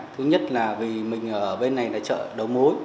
thứ nhất là vì mình ở bên này là chợ đầu mối